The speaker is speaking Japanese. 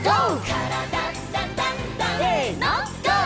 「からだダンダンダン」せのＧＯ！